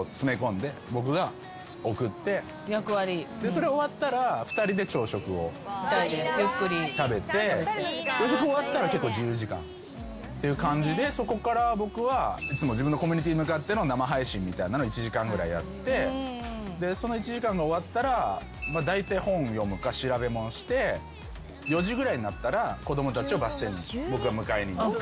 それ終わったら２人で朝食を食べて朝食終わったら結構自由時間っていう感じでそこから僕は自分のコミュニティー向かっての生配信みたいなの１時間ぐらいやってその１時間が終わったらだいたい本を読むか調べ物して４時ぐらいになったら子供たちをバス停に僕が迎えに行って。